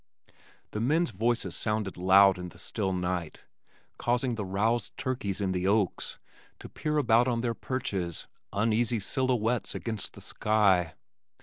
The men's voices sounded loud in the still night, causing the roused turkeys in the oaks to peer about on their perches, uneasy silhouettes against the sky.